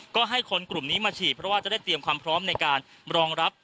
ก็ให้คนกลุ่มนี้มาฉีดเพราะว่าจะได้เตรียมความพร้อมในการรองรับ